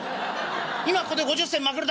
今ここで５０銭まけるだけ。